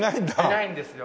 いないんですよ。